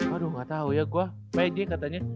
aduh gak tau ya gue peje katanya